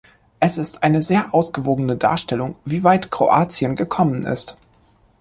Es ist eine sehr ausgewogene Darstellung, wie weit Kroatien gekommen ist.